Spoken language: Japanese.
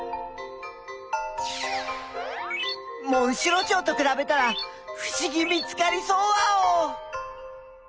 モンシロチョウとくらべたらふしぎ見つかりそうワオ！